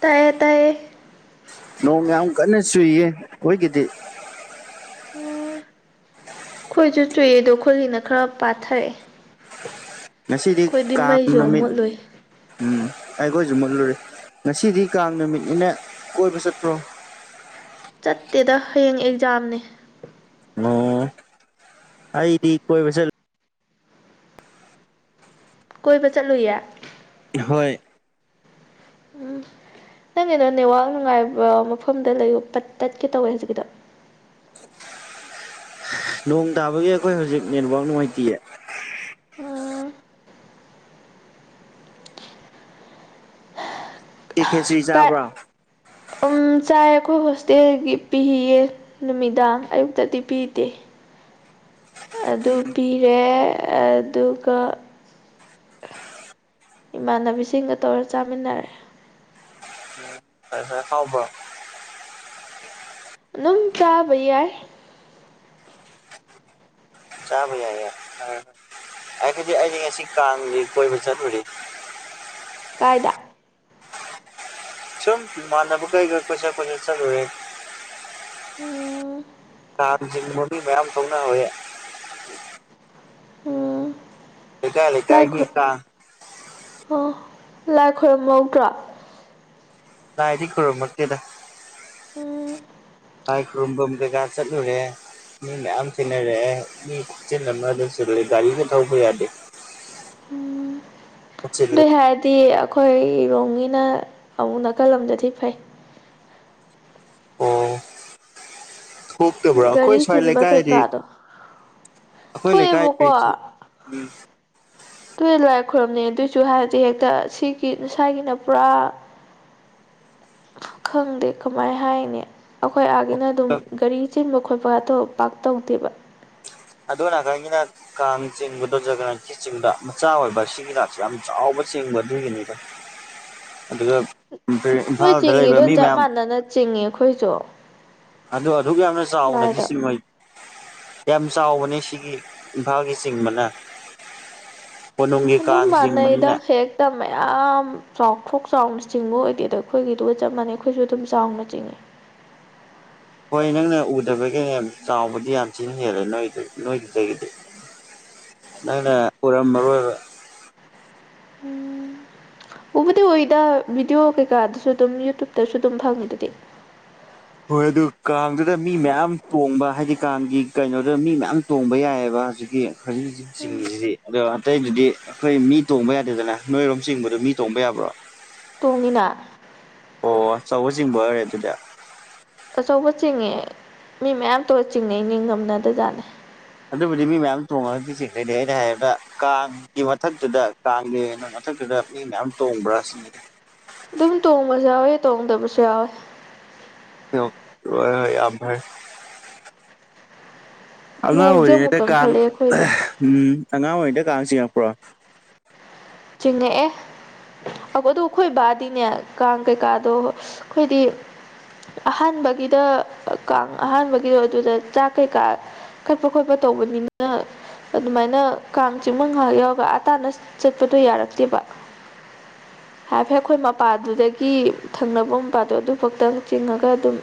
ꯇꯥꯏꯌꯦ ꯇꯥꯏꯌꯦ ꯅꯣꯡ ꯌꯥꯝ ꯀꯟꯅ ꯆꯨꯏꯌꯦ ꯑꯩꯈꯣꯏꯒꯤꯗꯤ ꯎꯝ ꯑꯩꯈꯣꯏꯁꯨ ꯆꯨꯏꯌꯦ ꯑꯗꯣ ꯑꯩꯈꯣꯏꯒꯤꯅ ꯈꯔ ꯄꯥꯊꯔꯛꯑꯦ ꯉꯁꯤꯗꯤ ꯑꯩꯈꯣꯏꯗꯤ ꯀꯥꯡ ꯃꯩꯁꯨ‌‌ ꯑꯃꯨꯛ ꯅꯨꯃꯤꯠ ꯃꯨꯠꯂꯨꯢ ꯎꯝ ꯑꯩꯈꯣꯏꯁꯨ ꯃꯨꯠꯂꯨꯔꯦ ꯉꯁꯤꯗꯤ ꯀꯥꯡ ꯅꯨꯃꯤꯠꯅꯤꯅꯥ ꯀꯣꯏꯕ ꯆꯠꯄ꯭ꯔꯣ ꯆꯠꯇꯦꯗ ꯍꯌꯦꯡ ꯑꯦꯛꯖꯥꯝꯅꯤ ꯑꯣ ꯑꯩꯗꯤ ꯀꯣꯏ ꯆꯠꯂꯨꯢ ꯀꯣꯏꯕ ꯆꯠꯂꯨꯏꯌꯦ ꯍꯣꯏ ꯎꯝ ꯅꯪꯒꯤꯗꯣ ꯅꯦꯋꯥꯛ ꯅꯨꯡꯉꯥꯏꯕ ꯃꯐꯝꯗ ꯂꯩꯌꯣ ꯄꯠ ꯇꯠꯀꯦ ꯇꯧꯋꯦ ꯍꯧꯖꯤꯛꯀꯤꯗꯣ ꯅꯣꯡ ꯇꯥꯕꯒꯤ ꯑꯩꯈꯣꯏ ꯍꯧꯖꯤꯛ ꯅꯦꯠꯋꯥꯛ ꯅꯨꯡꯉꯥꯏꯇꯤꯌꯦ ꯎꯝ ꯑꯦ ꯈꯦꯆ꯭ꯔꯤ ꯀꯥꯏ ꯆꯥꯕ꯭ꯔꯥ ꯎꯝ ꯆꯥꯏ ꯑꯩꯈꯣꯏ ꯍꯣꯁꯇꯦꯜꯒꯤ ꯄꯤꯌꯦ ꯅꯨꯃꯤꯗꯥꯡ ꯑꯌꯨꯛꯇꯗꯤ ꯄꯤꯗꯦ ꯑꯗꯨ ꯄꯤꯔꯦ ꯑꯗꯨꯒ ꯏꯃꯥꯟꯅꯕꯤꯁꯤꯡꯒ ꯇꯧꯔ ꯆꯥꯃꯤꯟꯅꯔꯦ ꯈꯔ ꯍꯥꯎꯕꯔꯣ ꯑꯗꯨꯝ ꯆꯥꯕ ꯌꯥꯢ ꯆꯥꯕ ꯌꯥꯢꯌꯦ ꯍꯥꯏꯕꯗꯤ ꯑꯩꯗꯤ ꯉꯁꯤ ꯀꯥꯡꯒꯤ ꯀꯣꯏꯕ ꯆꯠꯂꯨꯔꯦ ꯀꯥꯏꯗ ꯁꯨꯝ ꯏꯃꯥꯟꯅꯕ ꯀꯩ ꯒꯥ ꯀꯣꯢꯆꯠ‌ ꯀꯣꯏꯆꯠ ꯆꯠꯂꯨꯔꯦ ꯎꯝ ꯀꯥꯡ ꯆꯤꯡꯕ ꯃꯤ ꯃꯌꯥꯝ ꯊꯣꯛꯅꯍꯧꯋꯦ ꯎꯝ ꯂꯩꯀꯥꯢ ꯂꯥꯏ ꯂꯩꯀꯥꯏꯒꯤ ꯈꯨꯔꯨꯝ ꯀꯥꯡ ꯑꯣ ꯂꯥꯏ ꯈꯣꯏꯔꯝꯍꯧꯗ꯭ꯔꯣ ꯂꯥꯢꯗꯤ ꯈꯔꯨꯝꯃꯛꯇꯦꯗ ꯎꯝ ꯂꯥꯥꯏ ꯈꯨꯔꯨꯝꯕꯝ ꯀꯩꯀꯥ ꯆꯠꯂꯨꯔꯦ ꯃꯤ ꯃꯌꯥꯝ ꯊꯦꯡꯅꯔꯛꯑꯦ ꯃꯤ ꯈꯨꯆꯤꯟ ꯑꯃ ꯆꯤꯂꯦ ꯒꯥꯔꯤꯒ ꯊꯧꯕ ꯌꯥꯗꯦ ꯑꯗꯨꯏ ꯆꯤꯜꯂꯦ ꯍꯥꯏꯔꯗꯤ ꯑꯩꯈꯣꯏ ꯔꯣꯡꯒꯤꯅ ꯑꯃꯨꯛ ꯅꯥꯀꯜ ꯑꯝꯗꯗꯤ ꯐꯩ ꯑꯣ ꯄꯣꯛꯇꯕ꯭ꯔꯥ ꯑꯩꯈꯣꯏ ꯒꯥꯔꯤ ꯁ꯭ꯋꯥꯏ ꯆꯤꯟꯕ ꯂꯩꯀꯥꯏꯗꯤ ꯀꯩꯀꯥꯗꯣ ꯑꯩꯈꯣꯏ ꯊꯣꯛꯑꯦꯕꯀꯣ ꯂꯩꯀꯥꯏꯗꯁꯨ ꯎꯝ ꯇꯨ ꯂꯥꯏ ꯈꯣꯏꯔꯝꯅꯩ ꯑꯗꯨꯑꯣꯏꯁꯨ ꯍꯥꯏꯔꯗꯤ ꯍꯦꯛꯇ ꯁꯤꯒꯤ ꯁꯥꯏꯒꯤꯅ ꯄꯨꯔꯥ ꯈꯪꯗꯦ ꯀꯃꯥꯏ ꯍꯥꯏꯅꯤ ꯑꯩꯈꯣꯏ ꯑꯥꯒꯤꯅ ꯑꯗꯨꯝ ꯒꯥꯔꯤ ꯆꯤꯟꯕ ꯈꯣꯠꯄꯒꯇꯣ ꯄꯥꯛ ꯇꯧꯗꯦꯕ ꯑꯗꯣꯝ ꯅꯥꯀꯟꯒꯤꯅ ꯀꯥꯡ ꯆꯤꯡꯕꯗꯣ ꯖꯒꯅꯥ ꯆꯤꯡꯗ ꯃꯆꯥ ꯑꯣꯏꯕ ꯁꯤꯒꯤꯅ ꯌꯥꯝ ꯆꯥꯎꯕ ꯆꯤꯡꯕ ꯑꯗꯨꯒꯤꯅꯤꯗ ꯑꯗꯨꯗ ꯅꯣꯏ ꯆꯤꯡꯉꯤꯗꯣ ꯆꯞ ꯃꯥꯟꯅꯅ ꯆꯤꯡꯏ ꯑꯩꯈꯣꯏꯁꯨ ꯑꯗꯣ ꯑꯗꯨꯛ ꯌꯥꯝꯅ ꯆꯥꯎꯅꯗꯤ ꯂꯥꯏꯗ ꯆꯤꯉꯣꯢ ꯌꯥꯝ ꯆꯥꯎꯕꯅꯦ ꯁꯤꯒꯤ ꯏꯝꯐꯥꯜꯒꯤ ꯆꯤꯡꯕꯅ ꯀꯣꯅꯨꯡꯒꯤ ꯑꯗꯨꯝ ꯀꯥꯡ ꯃꯥꯅꯩꯗ ꯆꯤꯡꯕꯅꯤꯅ ꯍꯦꯛ ꯃꯌꯥꯝ ꯆꯥꯎꯊꯣꯛ ꯆꯥꯎꯅ ꯆꯤꯡꯕ ꯑꯣꯏꯗꯦ ꯑꯩꯈꯣꯏꯒꯤꯗꯨꯒ ꯆꯞ ꯃꯥꯟꯅꯩ ꯑꯩꯈꯣꯏꯁꯨ ꯑꯗꯨꯝ ꯆꯥꯎꯅ ꯆꯤꯡꯉꯦ ꯍꯣꯏ ꯅꯪꯅ ꯎꯗꯕꯒꯤ ꯆꯥꯎꯕꯗꯤ ꯌꯥꯝ ꯊꯤꯅ ꯍꯦꯜꯂꯦ ꯅꯣꯏ ꯅꯣꯏꯗꯨꯗꯒꯤꯗꯤ ꯅꯪꯅ ꯎꯔꯝꯃꯔꯣꯏꯕ ꯎꯗꯤ ꯎꯏꯗ ꯚꯤꯗꯤꯑꯣ ꯀꯩꯀꯥꯗꯁꯨ ꯑꯗꯨꯝ ꯌꯨꯇꯨꯕꯇꯁꯨ ꯑꯗꯨꯝ ꯐꯪꯉꯤ ꯗꯨꯗꯤ ꯍꯣꯏ ꯑꯗꯨ ꯀꯥꯡꯗꯨꯗ ꯃꯤ ꯃꯌꯥꯝ ꯇꯣꯡꯕ ꯍꯥꯏꯗꯤ ꯀꯥꯡꯒꯤ ꯀꯩꯅꯣꯗꯨꯗ ꯃꯤ ꯃꯌꯥꯝ ꯇꯣꯡꯕ ꯌꯥꯏꯑꯕ ꯍꯧꯖꯤꯛꯀꯤ__ ꯍꯧꯖꯤꯛ ꯍꯧꯖꯤꯛ ꯆꯤꯡꯉꯤꯖꯤꯗꯤ ꯑꯗꯣ ꯑꯇꯩꯗꯨꯗꯤ ꯑꯩꯈꯣꯏ ꯃꯤ ꯇꯣꯡꯕ ꯌꯥꯗꯦꯗꯅ ꯅꯣꯏꯔꯣꯝ ꯆꯤꯡꯕꯗꯣ ꯃꯤ ꯇꯣꯡꯕ ꯌꯥꯕ꯭ꯔꯣ ꯇꯣꯡꯉꯤꯅ ꯑꯣ ꯑꯆꯧꯕ ꯆꯤꯡꯕ ꯑꯣꯏꯔꯦ ꯑꯗꯨꯗꯤ ꯑꯆꯧꯕ ꯆꯤꯡꯉꯦ ꯃꯤ ꯃꯌꯥꯝ ꯇꯧꯔ ꯆꯤꯡꯅꯩꯅꯦ ꯉꯝꯅꯗꯖꯥꯠꯅꯦ ꯑꯗꯨꯕꯨꯗꯤ ꯃꯤ ꯃꯌꯥꯝ ꯇꯣꯡꯉꯒꯗꯤ ꯆꯤꯡꯗꯣꯏꯅꯦ ꯑꯩꯅ ꯍꯥꯏꯕ ꯀꯥꯡ__ ꯒꯤ ꯃꯊꯛꯇꯨꯗ ꯀꯥꯡꯂꯦꯅ ꯃꯊꯛꯇꯨꯗ ꯃꯤ ꯃꯌꯥꯝ ꯇꯣꯡꯕ꯭ꯔꯥ ꯁꯤꯅꯤꯗ ꯑꯗꯨꯝ ꯇꯣꯡꯕꯁꯨ ꯌꯥꯎꯋꯤ ꯇꯣꯡꯗꯕꯁꯨ ꯌꯥꯎꯋꯦ [unintelligible] ꯔꯣꯏ ꯍꯣꯏ ꯌꯥꯝ ꯐꯔꯦ ꯑꯉꯥꯡ ꯅꯣꯡꯁꯦ ꯑꯃꯨꯛ ꯑꯣꯏꯔꯤꯉꯩꯗ ꯀꯥꯡ ꯀꯟꯈꯠꯂꯛꯑꯦ ꯑꯩꯈꯣꯏꯗꯤ ꯎꯝ ꯑꯉꯥꯡ ꯑꯣꯏꯔꯤꯉꯩꯗ ꯀꯥꯡ ꯆꯤꯡꯉꯛꯄ꯭ꯔꯣ ꯆꯤꯡꯉꯛꯑꯦ ꯑꯒꯣꯗꯨ ꯈꯣꯏ ꯕꯥꯗꯤꯅꯦ ꯀꯥꯡ ꯀꯩꯀꯥꯗꯣ ꯈꯣꯏꯗꯤ__ ꯑꯍꯥꯟꯕꯒꯤꯗ ꯀꯥꯡ ꯑꯍꯥꯟꯕꯒꯤꯗꯣ ꯑꯗꯨꯗ ꯆꯥꯛ ꯀꯩꯀꯥ__ ꯀꯠꯄ ꯈꯣꯠꯄ ꯇꯧꯕꯅꯤꯅ ꯑꯗꯨꯃꯥꯏꯅ ꯀꯥꯡ ꯆꯤꯡꯃ ꯉꯥꯏꯍꯥꯛ ꯌꯥꯎꯔꯒ ꯑꯥ ꯇꯥꯟꯅ ꯆꯠ__ ꯄꯗꯣ ꯌꯥꯔꯛꯇꯦꯕ ꯍꯥꯏꯐꯦꯠ ꯈꯣꯏ ꯃꯄꯥꯗꯨꯗꯒꯤ ꯊꯪꯅꯕ ꯃꯄꯥꯗꯣ ꯑꯗꯨ ꯐꯛꯇꯪ ꯆꯤꯡꯉꯒ ꯑꯗꯨꯝ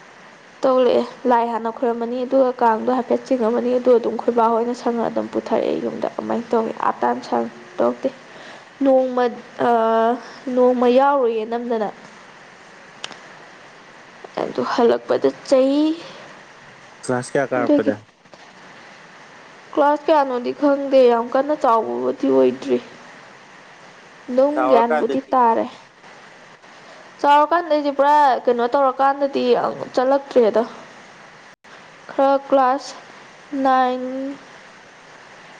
[inaudible] ꯇꯣꯛꯂꯛꯑꯦ ꯂꯥꯏ ꯍꯥꯟꯅ ꯈꯣꯏꯔꯝꯃꯅꯤ ꯑꯗꯨꯒ ꯀꯥꯡꯗꯣ ꯍꯥꯏꯐꯦꯠ ꯆꯤꯡꯉꯃꯅꯤ ꯑꯗꯨꯒ ꯑꯗꯨꯝ ꯈꯣꯏꯕꯥ ꯍꯣꯏꯅ ꯁꯪꯉꯒ ꯑꯗꯨꯝ__ ꯄꯨꯊꯔꯛꯑꯦ ꯌꯨꯝꯗ ꯑꯃꯥꯏꯅ ꯇꯧꯋꯤ ꯑꯥꯇꯥꯟ ꯁꯟ ꯇꯧꯔꯛꯇꯦ ꯅꯣꯡꯃ ꯑꯠ ꯅꯣꯡꯃ ꯌꯥꯎꯔꯨꯌꯦ ꯅꯝꯗꯅ ꯑꯗꯨ ꯍꯜꯂꯛꯄꯗ ꯆꯩ ꯀ꯭ꯂꯥꯁ ꯀꯌꯥ ꯀꯥꯔꯛꯄꯗ ꯀ꯭ꯂꯥꯁ ꯀꯌꯥꯅꯣꯗꯤ ꯈꯪꯗꯦ ꯌꯥꯝ ꯀꯟꯅ ꯆꯥꯎꯕꯕꯨꯗꯤ ꯑꯣꯏꯗ꯭ꯔꯤ ꯂꯨꯡ ꯒ꯭ꯌꯥꯟꯕꯨꯗꯤ ꯆꯥꯎꯔꯀꯥꯟꯗꯗꯤ ꯇꯥꯔꯦ ꯆꯥꯎꯔꯀꯥꯟꯗ ꯑꯩꯖꯦ ꯄꯨꯔꯥ ꯀꯩꯅꯣ ꯇꯧꯔꯀꯥꯟꯗꯗꯤ ꯑꯪ ꯆꯠꯂꯛꯇ꯭ꯔꯦꯗ ꯈꯔ ꯀ꯭ꯂꯥꯁ ꯅꯥꯏꯟ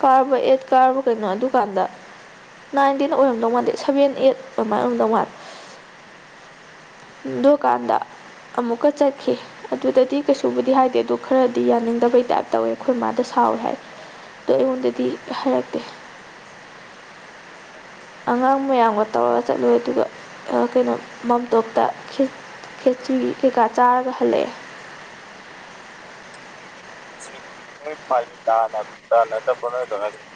ꯀꯥꯔꯕ ꯑꯦꯠ ꯀꯥꯔꯕ ꯀꯩꯅꯣ ꯑꯗꯨꯀꯥꯟꯗ ꯅꯥꯏꯟꯗꯤ ꯅ ꯑꯣꯏꯔꯝꯗꯧ ꯃꯥꯥꯟꯗꯦ ꯁꯕꯦꯟ ꯑꯩꯠ ꯑꯃꯥꯏ ꯑꯣꯏꯔꯝꯗꯧ ꯃꯥꯜꯂꯦ ꯗꯨꯀꯥꯟꯗ ꯑꯃꯨꯛꯀ ꯆꯠꯈꯤ ꯑꯗꯨꯗꯗꯤ ꯀꯩꯁꯨꯕꯨꯗꯤ ꯍꯥꯏꯗꯦ ꯑꯗꯨ ꯈꯔꯗꯤ ꯌꯥꯅꯤꯡꯗꯕꯩ ꯇꯥꯏꯞ ꯇꯧꯋꯦ ꯑꯩꯈꯣꯏ ꯃꯥꯗꯣ ꯁꯥꯎꯋꯦ ꯍꯥꯏ ꯑꯗꯨ ꯑꯩꯉꯣꯟꯗꯗꯤ ꯍꯥꯏꯔꯛꯇꯦ ꯑꯉꯥꯡ ꯃꯌꯥꯝꯒ ꯇꯧꯔ ꯆꯠꯂꯨꯏ ꯑꯗꯨꯒ ꯑ ꯀꯩꯅꯣ ꯃꯥꯝꯇꯣꯞꯇ ꯈꯤ ꯈꯦꯆꯤ ꯀꯩꯀꯥ ꯆꯥꯔꯒ ꯍꯜꯂꯛꯑꯦ [unintelligible] ꯅꯣꯏ ꯄꯥꯂꯤ ꯇꯥꯅ ꯇꯥꯅꯗꯕ꯭ꯔꯣ ꯅꯣꯏ ꯑꯗꯣꯝ ꯅꯥꯀꯟꯒꯤ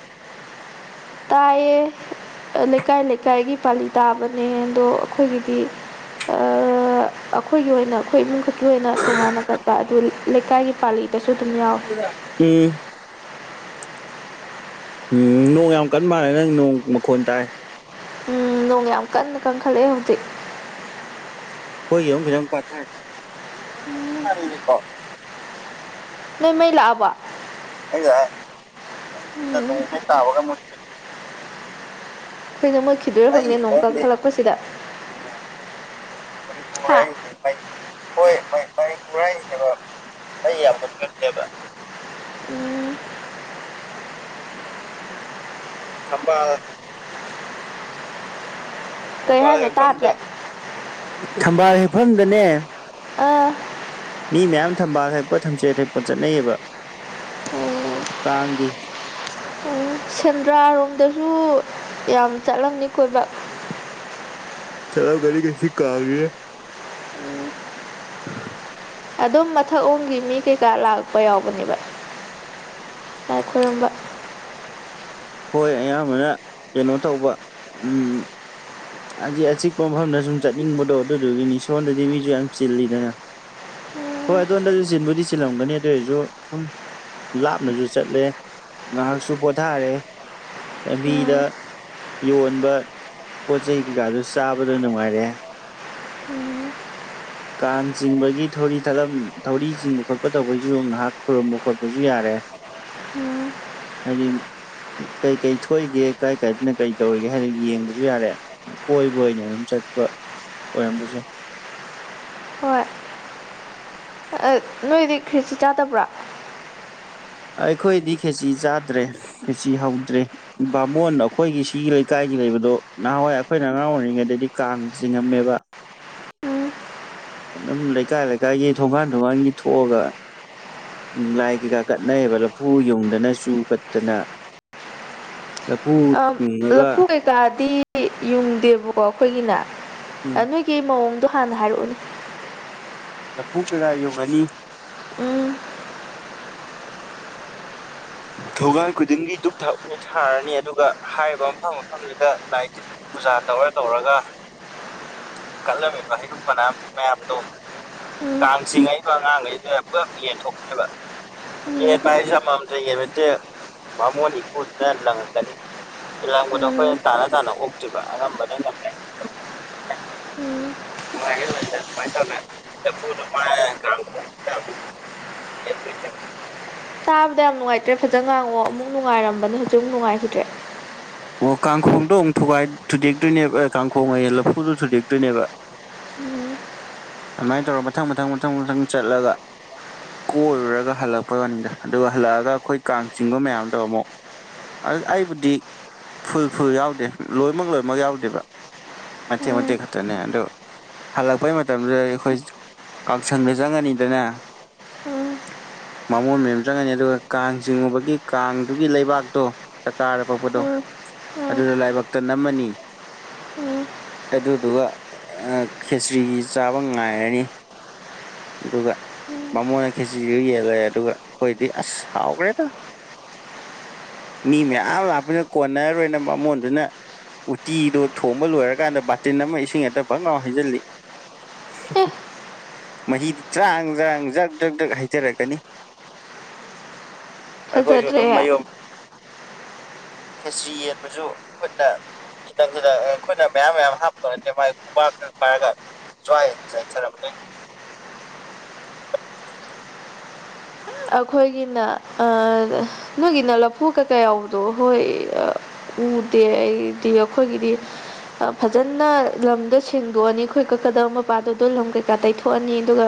ꯇꯥꯏꯌꯦ ꯑ ꯂꯩꯀꯥꯏ ꯂꯩꯀꯥꯏꯒꯤ ꯄꯥꯂꯤ ꯇꯥꯕꯅꯦ ꯑꯗꯣ ꯑꯈꯣꯏꯒꯤꯗꯤ ꯑ ꯑꯈꯣꯏꯒꯤ ꯑꯣꯏꯅ ꯈꯣꯏ ꯏꯃꯨꯡ ꯈꯛꯀꯤ ꯑꯣꯏꯅ ꯇꯣꯉꯥꯟꯅ ꯀꯠꯄ ꯑꯗꯨ ꯂꯩꯀꯥꯏꯒꯤ__ [unintelligible] ꯊꯝꯕꯤꯌꯨꯔꯥ ꯎꯝ ꯎꯝ ꯅꯣꯡ ꯌꯥꯝ ꯀꯟ ꯃꯥꯜꯂꯦ ꯅꯪ ꯅꯣꯡ ꯃꯈꯣꯟ ꯇꯥꯏ ꯎꯝ ꯅꯣꯡ ꯌꯥꯝ ꯀꯟꯅ ꯀꯟꯈꯠꯂꯛꯑꯦ ꯍꯧꯖꯤꯛ ꯈꯣꯏꯒꯤ ꯑꯃꯨꯛ ꯈꯤꯇꯪ ꯄꯥꯊꯔꯛ ꯅꯣꯡ ꯈꯤꯇꯪ ꯄꯥꯊ ꯃꯥꯜꯂꯤꯀꯣ ꯅꯣꯏ ꯃꯩ ꯂꯥꯛꯑꯕꯣ ꯑꯩ ꯂꯥꯛꯑꯦ ꯃꯩꯖꯤꯅ ꯎꯝ ꯅꯣꯡ ꯍꯦꯛ ꯇꯥꯕꯒ ꯃꯨꯠꯄꯤ ꯃꯩꯁꯨ ꯃꯨꯠꯈꯤꯗ꯭ꯔ ꯈꯪꯗꯦ ꯃꯩꯒꯤ ꯅꯣꯡ ꯃꯔꯝꯗꯤ ꯀꯪꯈꯠꯂꯛꯄꯁꯤꯗ ꯃꯅꯤꯄꯨꯔ ꯍꯥ ꯍꯥꯏꯁꯤꯗꯤ ꯃꯩ ꯍꯣꯏ ꯃꯅꯤꯄꯨꯔ ꯍꯥꯏꯁꯤꯅꯦꯕ ꯃꯩ ꯌꯥꯝ ꯃꯨꯠꯀꯜꯂꯦꯕ ꯎꯝ ꯊꯝꯕꯥꯜ ꯀꯩ ꯊꯝꯕꯥꯜ ꯍꯥꯏꯅꯣ ꯍꯦꯛꯐꯝꯗ ꯇꯥꯗ꯭ꯔꯦ ꯊꯝꯕꯥꯜ ꯍꯦꯛꯐꯝꯗꯅꯦ ꯑꯥ ꯃꯤ ꯃꯌꯥꯝ ꯊꯝꯕꯥꯜ ꯍꯦꯛꯄ ꯊꯝꯆꯦꯠ ꯍꯦꯛꯄ ꯆꯠꯅꯩꯑꯕ ꯎꯝ ꯀꯥꯡꯒꯤ ꯎꯝ ꯁꯦꯟꯗ꯭ꯔꯥꯔꯣꯝꯗꯁꯨ ꯌꯥꯝ ꯆꯠꯂꯝꯅꯤ ꯀꯣꯏꯕ ꯆꯠꯂꯝꯒꯅꯤ ꯉꯁꯤ ꯀꯥꯡꯅꯤꯅ [inaudible] ꯑꯗꯨꯝ ꯃꯊꯛ ꯑꯣꯝꯒꯤ ꯃꯤ ꯀꯩꯀꯥ ꯂꯥꯛꯄ ꯌꯥꯎꯕꯅꯦꯕ ꯂꯥꯏ ꯈꯨꯔꯨꯝꯕ ꯍꯣꯏ ꯑꯌꯥꯝꯕꯅ ꯀꯩꯅꯣ ꯇꯧꯕ ꯎꯝ ꯑꯖꯤ ꯑꯆꯤꯛꯄ ꯃꯐꯝꯗ ꯁꯨꯝ ꯆꯠꯅꯤꯡꯕꯗꯣ ꯑꯗꯨꯗꯨꯒꯤꯅꯤ ꯁꯣꯝꯗꯗꯤ ꯃꯤꯖꯨ ꯌꯥꯝ ꯆꯤꯜꯂꯤꯗꯅ ꯍꯣꯏ ꯑꯗꯣꯟꯗꯁꯨ ꯆꯤꯟꯕꯨꯗꯤ ꯆꯤꯜꯂꯝꯒꯅꯤ ꯑꯗꯨ ꯑꯣꯢꯖꯨ ꯁꯨꯝ ꯂꯥꯞꯅꯁꯨ ꯆꯠꯂꯦ ꯉꯥꯏꯍꯥꯛꯁꯨ ꯄꯣꯊꯥꯔꯦ ꯂꯝꯕꯤꯗ ꯎꯝ ꯌꯣꯟꯕ ꯄꯣꯠ ꯆꯩꯩ ꯀꯩꯀꯥꯁꯨ ꯆꯥꯕꯗ ꯅꯨꯡꯉꯥꯏꯔꯦ ꯀꯥꯡ ꯆꯤꯡꯕꯒꯤ ꯊꯧꯔꯤ ꯊꯠꯂꯝ ꯊꯧꯔꯤ ꯆꯤꯡꯕ ꯈꯣꯠꯄ ꯇꯧꯕꯩꯁꯨ ꯉꯥꯏꯍꯥꯛ ꯈꯨꯔꯨꯝꯕ ꯈꯣꯠꯄꯁꯨ ꯌꯥꯔꯦ [inaudible] ꯍꯥꯏꯗꯤ ꯀꯩ ꯀꯩ ꯊꯣꯛꯏꯒꯦ ꯀꯥꯏ ꯀꯥꯏꯗꯅ ꯀꯩ ꯇꯧꯔꯤꯒꯦ ꯍꯥꯏꯅ ꯌꯦꯡꯕꯖꯨ ꯌꯥꯔꯦ ꯀꯣꯏꯕ ꯑꯣꯏꯅ ꯑꯗꯨꯝ ꯆꯠꯄ ꯑꯣꯏꯔꯝꯕꯖꯨ ꯌꯥꯢ ꯑ ꯅꯣꯏꯗꯤ ꯈꯦꯆ꯭ꯔꯤ ꯆꯥꯗꯕ꯭ꯔꯥ ꯑꯩꯈꯣꯏꯗꯤ ꯈꯦꯆꯤ ꯆꯥꯗ꯭ꯔꯦ ꯈꯦꯆꯤ ꯍꯧꯗ꯭ꯔꯦ ꯕꯥꯃꯣꯟ ꯑꯩꯈꯣꯏꯒꯤ ꯁꯤꯒꯤ ꯂꯩꯀꯥꯏꯒꯤ ꯂꯩꯕꯗꯣ ꯅꯍꯥꯟꯋꯥꯏ ꯑꯩꯈꯣꯏꯅ ꯑꯉꯥꯡ ꯑꯣꯏꯔꯤꯉꯩꯗꯗꯤ ꯀꯥꯡ ꯆꯤꯡꯉꯝꯃꯦꯕ ꯎꯝ ꯑꯗꯨꯝ ꯂꯩꯀꯥꯏ ꯂꯩꯀꯥꯏꯒꯤ ꯊꯣꯡꯒꯥꯟ ꯊꯣꯡꯒꯥꯟꯒꯤ ꯊꯣꯛꯑꯒ ꯎꯝ ꯂꯥꯏ ꯀꯩꯀꯥ ꯀꯠꯅꯩꯑꯕ ꯂꯐꯨ ꯌꯨꯡꯗꯅ ꯆꯨ ꯀꯠꯇꯅ ꯂꯐꯨ ꯌꯨꯡꯉꯒ ꯂꯐꯨ ꯀꯩꯀꯥꯗꯤ ꯌꯨꯡꯗꯦꯕꯀꯣ ꯑꯩꯈꯣꯏꯒꯤꯅ ꯎꯝ ꯑ ꯅꯣꯢ ꯀꯤ ꯃꯑꯣꯡꯗꯣ ꯍꯥꯟꯅ ꯍꯥꯏꯔꯛꯎꯅꯦ ꯂꯐꯨ ꯀꯩꯀꯥ ꯌꯨꯡꯉꯅꯤ ꯎꯝ ꯊꯣꯡꯒꯥꯟ ꯈꯨꯗꯤꯡꯒꯤ ꯗꯨꯛ ꯊꯥꯎꯃꯩ ꯊꯥꯔꯅꯤ ꯑꯗꯨꯒ ꯍꯥꯏꯔꯤꯕ ꯃꯐꯝ ꯃꯐꯝꯗꯨꯗ ꯂꯥꯏ ꯇꯤꯟ ꯄꯨꯖꯥ ꯇꯧꯔ ꯇꯧꯔꯒ ꯀꯠꯂꯝꯃꯤꯕ ꯍꯩꯔꯨꯛ ꯃꯅꯥ ꯃꯌꯥꯝꯗꯣ ꯎꯝ ꯀꯥꯡ ꯆꯤꯡꯉꯛꯏꯕ ꯑꯉꯥꯡꯉꯩꯗꯨꯗ ꯄꯨꯂꯞ ꯌꯦꯟꯊꯣꯛꯈꯤꯕ ꯎꯝ ꯌꯦꯟꯕ ꯍꯥꯏꯁꯦ ꯑꯝꯃꯃꯝ ꯅ ꯌꯦꯟꯕ ꯅꯠꯇꯦ ꯕꯥꯃꯣꯟ ꯏꯀꯨꯗꯨꯅ ꯂꯪꯉꯛꯀꯅꯤ ꯂꯪꯕꯗꯣ ꯎꯝ ꯑꯩꯈꯣꯏꯅ ꯇꯥꯅ ꯇꯥꯅ ꯑꯣꯛꯇꯣꯢꯕ ꯑꯉꯝꯕꯅ ꯉꯝꯃꯦ ꯅꯨꯡꯉꯥꯏꯈꯩ ꯎꯝ [unintelligible] ꯂꯦꯝꯗꯣꯏꯅꯦꯕ [inaudible] ꯇꯤꯕꯗ ꯌꯥꯝ ꯅꯨꯡꯉꯥꯏꯇ꯭ꯔꯦ ꯐꯖꯅ ꯉꯥꯡꯉꯣ ꯑꯃꯨꯛ ꯅꯨꯡꯉꯥꯏꯔꯝꯕꯅ ꯍꯧꯖꯤꯛ ꯑꯃꯨ ꯅꯨꯡꯉꯥꯏꯈꯤꯗ꯭ꯔꯦ ꯑꯣ ꯀꯥꯡꯈꯣꯡꯗꯣ ꯑꯃꯨꯛ ꯊꯨꯒꯥꯏ ꯊꯨꯗꯦꯛꯇꯣꯏꯅꯦꯕ ꯑꯦ ꯀꯥꯡꯈꯣꯡ ꯑꯌꯦ ꯂꯐꯨꯗꯣ ꯊꯨꯗꯦꯛꯇꯣꯏꯅꯦꯕ ꯎꯝ ꯑꯗꯨꯃꯥꯏ ꯇꯧꯔ ꯃꯊꯪ ꯃꯊꯪ ꯃꯊꯪ ꯃꯊꯪ ꯆꯠꯂꯒ ꯀꯣꯏꯔꯨꯔꯒ ꯍꯜꯂꯛꯄꯩ ꯋꯥꯅꯤꯗ ꯑꯗꯨꯒ ꯍꯜꯂꯛꯑꯒ ꯑꯩꯈꯣꯏ ꯀꯥꯡ ꯆꯤꯡꯕ ꯃꯌꯥꯝꯗꯣ ꯑꯃꯨꯛ ꯑꯗꯨ ꯑꯩꯕꯨꯗꯤ ꯐꯨꯜ ꯐꯨꯜ ꯌꯥꯎꯗꯦ ꯂꯣꯏꯃꯛ ꯂꯣꯏꯃꯛ ꯌꯥꯎꯗꯦꯕ ꯃꯇꯦꯛ ꯎꯝ ꯃꯇꯦꯛ ꯈꯛꯇꯅꯦ ꯑꯗꯨ ꯍꯜꯂꯛꯄꯩ ꯃꯇꯝꯗꯨꯗꯤ ꯑꯩꯈꯣꯏ ꯀꯥꯡꯁꯪꯗ ꯆꯪꯉꯅꯤꯗꯅ ꯎꯝ ꯕꯥꯃꯣꯟ ꯃꯌꯥꯝ ꯆꯪꯉꯅꯤ ꯑꯗꯨꯒ ꯀꯥꯡ ꯆꯤꯡꯉꯨꯕꯒꯤ ꯀꯥꯡꯗꯨꯒꯤ ꯂꯩꯕꯥꯛ ꯇꯣ ꯆꯔꯀꯥꯔꯗ ꯄꯣꯛꯄꯗꯣ ꯎꯝ ꯑꯗꯨꯗꯣ ꯂꯥꯏꯕꯛꯇ ꯅꯝꯃꯅꯤ ꯎꯝ ꯑꯗꯨꯗꯨꯒ ꯈꯦꯆ꯭ꯔꯤꯒꯤ ꯆꯥꯕ ꯉꯥꯏꯔꯅꯤ ꯑꯗꯨꯒ ꯕꯃꯣꯟꯅ ꯈꯦꯆ꯭ꯔꯤꯗꯨ ꯌꯦꯜꯂꯦ ꯑꯗꯨꯒ ꯑꯩꯈꯣꯏꯗꯤ ꯑꯁ ꯍꯥꯎꯒ꯭ꯔꯦꯗ ꯃꯤ ꯃꯌꯥꯝ ꯂꯥꯛꯄꯅꯤꯅ ꯀꯣꯟꯅꯔꯣꯏꯅ ꯚꯥꯃꯣꯟꯗꯨꯅ ꯎꯇꯤꯗꯣ ꯊꯣꯡꯕ ꯂꯣꯏꯔꯀꯥꯟꯗ ꯕꯥꯇꯤꯟ ꯑꯃ ꯏꯁꯤꯡ ꯍꯦꯛꯇ ꯐꯪ ꯂꯥꯎ ꯍꯩꯖꯜꯂꯤ ꯑꯦ ꯃꯍꯤꯗꯨ ꯆ꯭ꯔꯥꯡꯖꯥꯡ ꯖ꯭ꯔꯛ ꯖ꯭ꯔꯛ ꯖ꯭ꯔꯛ ꯍꯩꯙꯔꯛꯀꯅꯤ ꯑꯩꯈꯣꯏꯁꯨ ꯐꯖꯗ꯭ꯔꯦ ꯑꯗꯨꯝ ꯃꯌꯨꯝ ꯈꯦꯆ꯭ꯔꯤ ꯌꯦꯟꯕꯖꯨ ꯈꯨꯠꯅ ꯈꯤꯇꯪ ꯈꯤꯇꯪ ꯑ ꯈꯨꯠꯅ ꯃꯌꯥꯝ ꯃꯌꯥꯝ ꯍꯥꯞꯄꯒ ꯅꯠꯇꯦ ꯃꯥꯏ ꯈꯨꯕꯥꯛꯅ ꯄꯥꯏꯔꯒ ꯖꯋꯥꯏ ꯆꯥꯏꯊꯔꯝꯃꯅꯤ ꯑꯈꯣꯏꯒꯤꯅ ꯑ ꯅꯣꯏꯒꯤꯅ ꯂꯐꯨ ꯀ ꯀꯩ ꯌꯥꯎꯕꯗꯣ ꯍꯣꯏ ꯑꯥ ꯎꯗꯦ ꯑꯩꯗꯤ ꯑꯩꯈꯣꯏꯒꯤꯗꯤ ꯐꯖꯅ ꯂꯝꯗꯣ ꯁꯦꯡꯗꯣꯛꯑꯅꯤ ꯑꯩꯈꯣꯏ ꯀꯛꯀꯗꯕ ꯃꯄꯥꯗꯣ ꯗꯣ ꯂꯝ ꯀꯩꯀꯥ ꯇꯩꯊꯣꯛꯑꯅꯤ ꯑꯗꯨꯒ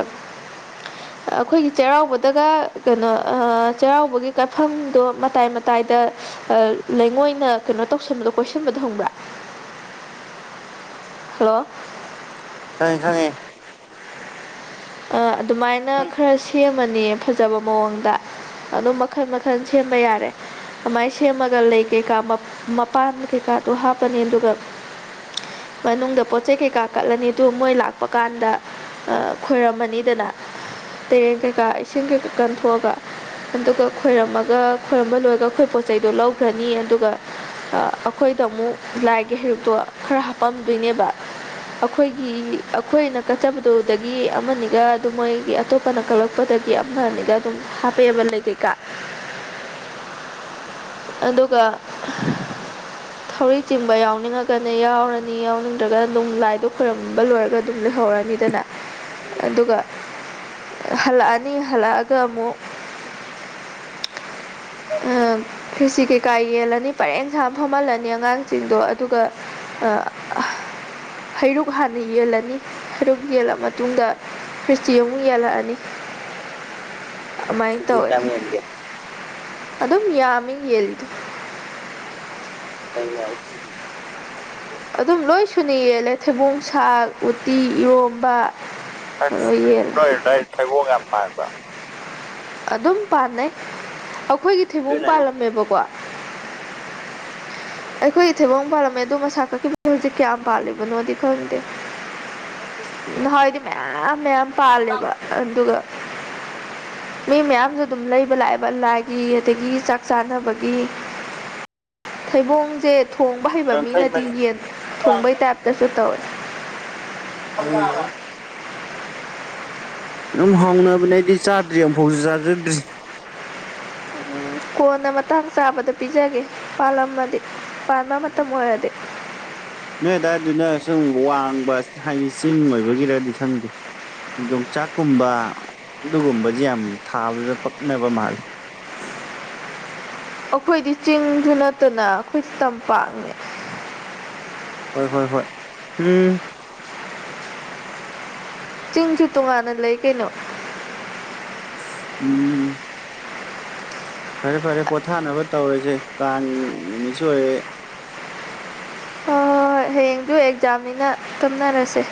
ꯑꯈꯣꯏꯒꯤ ꯆꯩꯔꯥꯎꯕꯗꯒ ꯀꯩꯅꯣ ꯑꯥ ꯆꯩꯔꯥꯎꯕꯒꯤ ꯀꯠꯐꯝꯗꯣ ꯃꯇꯥꯏ ꯃꯇꯥꯏꯗ ꯑꯥ ꯂꯩꯉꯣꯏꯅ ꯀꯩꯅꯣ ꯇꯧꯁꯟꯕꯗꯣ ꯀꯣꯏꯁꯤꯟꯕꯗꯣ ꯍꯪꯕ꯭ꯔꯥ ꯍꯜꯂꯣ ꯈꯪꯉꯦ ꯈꯪꯉꯦ ꯑꯥ ꯑꯗꯨꯃꯥꯏꯅ ꯎꯝ ꯈꯔ ꯁꯦꯝꯃꯅꯤ ꯐꯖꯕ ꯃꯑꯣꯡꯗ ꯑꯗꯨꯝ ꯃꯈꯜ ꯃꯈꯟ ꯁꯦꯝꯕ ꯌꯥꯔꯦ ꯑꯃꯥꯏ ꯁꯦꯝꯃꯒ ꯂꯩ ꯀꯩꯀꯥ ꯃꯄꯥꯟ ꯀꯩꯀꯥꯗꯣ ꯍꯥꯞꯄꯅꯤ ꯑꯗꯨꯒ ꯃꯅꯨꯡꯗ ꯄꯣꯠ ꯆꯩ ꯀꯩꯀꯥ ꯀꯠꯂꯅꯤ ꯗꯨꯒ ꯃꯣꯏ ꯂꯥꯛꯄ ꯀꯥꯟꯗ ꯑꯥ ꯈꯣꯏꯔꯝꯃꯅꯤꯗꯅ ꯇꯦꯔꯦꯟ ꯀꯩꯀꯥ ꯏꯁꯤꯡ ꯀꯩꯀꯥ ꯀꯟꯊꯣꯛꯑꯒ ꯑꯗꯨꯒ ꯈꯣꯏꯔꯝꯃꯒ ꯈꯣꯏꯔꯝꯕ ꯂꯣꯏꯔꯒ ꯑꯩꯈꯣꯏ ꯄꯣꯠ ꯆꯩꯗꯣ ꯂꯧꯈ꯭ꯔꯅꯤ ꯑꯗꯨꯒ ꯑꯥ ꯑꯩꯈꯣꯏꯗ ꯑꯃꯨꯛ ꯂꯥꯏꯒꯤ ꯍꯩꯔꯨꯛꯇꯣ ꯈꯔ ꯍꯥꯞꯄꯝꯗꯣꯏꯅꯦꯕ ꯑꯈꯣꯏꯒꯤ ꯑꯈꯣꯏꯅ ꯀꯠꯆꯕꯗꯣ ꯗ ꯒꯤ ꯑꯃ ꯑꯅꯤꯒ ꯗꯨꯝ ꯃꯣꯏꯒꯤ ꯑꯇꯣꯞꯄꯅ ꯀꯛꯂꯛꯄꯗꯒꯤ ꯑꯃ ꯑꯅꯤꯒ ꯑꯗꯨꯝ ꯍꯥꯞꯄꯛꯑꯦꯕ ꯂꯩ ꯀꯩꯀꯥ [inaudible] ꯑꯗꯨꯒ ꯊꯧꯔꯤ ꯆꯤꯡꯕ ꯌꯥꯎꯅꯤꯡꯉꯒꯅ ꯌꯥꯎꯔꯅꯤ ꯌꯥꯎꯅꯤꯡꯗ꯭ꯔꯒꯅ ꯑꯗꯨꯝ ꯂꯥꯏꯗꯣ ꯈꯣꯏꯔꯝꯕ ꯂꯣꯏꯔꯒ ꯑꯗꯨꯝ ꯂꯩꯍꯧꯔꯅꯤꯗꯅ ꯑꯗꯨꯒ ꯍꯜꯂꯛꯑꯅꯤ ꯍꯜꯂꯛꯑꯒ ꯑꯃꯨꯛ ꯑꯥ ꯈ꯭ꯔꯦꯆꯤ ꯀꯩꯀꯥ ꯌꯦꯜꯂꯅꯤ ꯄꯔꯦꯟ ꯁꯥ ꯐꯝꯍꯜꯂꯅꯤ ꯑꯉꯥꯡꯁꯤꯡꯗꯣ ꯑꯗꯨꯒ ꯑꯥ ꯍꯩꯔꯨꯛ ꯍꯥꯟꯅ ꯌꯦꯜꯂꯅꯤ ꯍꯩꯔꯨꯛ ꯌꯦꯜꯂ ꯃꯇꯨꯡꯗ ꯈ꯭ꯔꯤꯁꯇꯤ ꯑꯃꯨꯛ ꯌꯦꯜꯂꯛꯑꯅꯤ ꯑꯗꯨꯃꯥꯏꯅ ꯈꯦꯆꯔꯤ ꯇꯧꯋꯦ ꯀꯌꯥꯝ ꯌꯦꯟ ꯒꯦ ꯑꯗꯨꯝ ꯌꯥꯝꯃꯤ ꯌꯦꯜꯂꯤꯗꯣ ꯑꯩꯅꯦ ꯎꯇꯤꯗꯤ ꯑꯗꯨꯝ ꯂꯣꯏ ꯁꯨꯨꯅ ꯌꯦꯜꯂꯦ ꯊꯩꯕꯣꯡ ꯁꯥꯛ ꯎꯇꯤ ꯏꯔꯣꯝꯕ ꯑꯁ ꯂꯣꯏ ꯌꯦꯜꯂꯦ ꯅꯣꯏ ꯑꯗꯥꯏ ꯊꯩꯕꯣꯡ ꯌꯥꯝ ꯄꯥꯟꯕ꯭ꯔꯣ ꯑꯗꯨꯝ ꯄꯥꯟꯅꯩ ꯑꯈꯣꯏꯒꯤ ꯊꯩꯕꯣꯡ ꯑꯗꯨꯅꯅꯤ ꯄꯥꯜꯂꯝꯃꯦꯕꯀꯣ ꯑꯩꯈꯣꯏꯒꯤ ꯊꯩꯕꯣꯡ ꯄꯥꯜꯂꯝꯃꯦ ꯑꯗꯨ ꯃꯁꯥ ꯀꯛꯈꯤꯕ ꯍꯧꯖꯤꯛ ꯀꯌꯥꯝ ꯄꯥꯜꯂꯤꯕꯅꯣꯗꯤ ꯈꯪꯗꯦ ꯅꯍꯥꯋꯥꯏꯗꯤ ꯃꯌꯥꯝ ꯃꯌꯥꯝ ꯄꯥꯜꯂꯦꯕ ꯑꯗꯨꯒ ꯃꯤ ꯃꯌꯥꯝꯖꯨ ꯑꯗꯨꯝ ꯂꯩꯕ ꯂꯥꯛꯑꯦꯕ ꯂꯥꯏꯒꯤ ꯑꯗꯒꯤ ꯆꯥꯛ ꯆꯥꯅꯕꯒꯤ ꯊꯩꯕꯣꯡꯁꯦ ꯊꯣꯡꯕ ꯍꯩꯕ ꯌꯥꯡꯈꯩ ꯃꯤꯅꯗꯤ ꯃꯔꯤ ꯌꯦꯟ ꯊꯣꯡꯕꯩ ꯇꯥꯏꯞꯇꯁꯨ ꯇꯧꯋꯦ [unintelligible] ꯑꯗꯨꯝ ꯍꯥꯎꯅꯕꯅꯦ ꯑꯩꯗꯤ ꯆꯥꯗ꯭ꯔꯤ ꯑꯃꯨꯐꯥꯎꯁꯨ ꯆꯥꯖꯗ꯭ꯔꯤ ꯀꯣꯟꯅ ꯃꯇꯥꯡ ꯆꯥꯕꯗ ꯄꯤꯖꯒꯦ ꯄꯥꯜꯂꯝꯃꯗꯤ ꯄꯥꯟꯕ ꯃꯇꯝ ꯑꯣꯏꯔꯗꯤ ꯅꯣꯏ ꯑꯗꯨꯗꯥꯏꯗꯨꯅ ꯁꯨꯝ ꯋꯥꯡꯕ ꯍꯥꯏꯗꯤ ꯆꯤꯡ ꯑꯣꯏꯕꯒꯤꯔꯗꯤ ꯈꯪꯗꯦ ꯌꯣꯡꯆꯥꯛꯀꯨꯝꯕ ꯑꯗꯨꯒꯨꯝꯕꯁꯦ ꯌꯥꯝ ꯊꯥꯕꯖꯨ ꯄꯛꯅꯕ ꯃꯥꯜꯂꯤ ꯑꯈꯣꯏꯗꯤ ꯆꯤꯡꯁꯨ ꯅꯠꯇꯅ ꯑꯈꯣꯏ ꯇꯝꯄꯥꯛꯅꯦ ꯍꯣꯏ ꯍꯣꯏ ꯍꯣꯏ ꯎꯝ ꯆꯤꯡꯁꯨ ꯇꯣꯉꯥꯟꯅ ꯂꯩ ꯀꯩꯅꯣ ꯎꯝ ꯐꯔꯦ ꯐꯔꯦ ꯄꯣꯊꯥꯅꯕ ꯇꯧꯔꯁꯦ ꯀꯥꯡ ꯅꯨꯃꯤꯠꯁꯨ ꯑꯣꯏꯔꯦ ꯍꯣꯏ ꯍꯣꯏ ꯍꯣꯏ ꯍꯌꯦꯡꯗꯨ ꯑꯦꯛꯖꯥꯝꯅꯤꯅ ꯇꯨꯝꯅꯔꯁꯦ